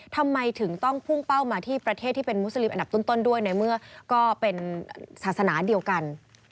ทำไมถึงต้องพุ่งเป้ามาที่ประเทศที่เป็นมุสลิมอันดับต้นด้วยในเมื่อก็เป็นศาสนาเดียวกัน